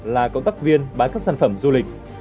là cộng tác viên bán các sản phẩm du lịch